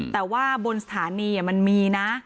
แต่ว่าบนสถานีมันมีนะ